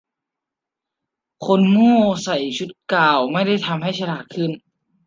คนโง่ใส่ชุดกาวน์ไม่ได้ทำให้ฉลาดขึ้น